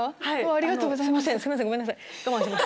ありがとうございます。